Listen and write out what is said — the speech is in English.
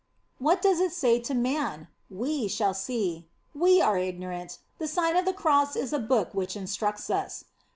What does it say to man ? We shall see. We are ignorant; the Sign of the Cross is a book which instructs us.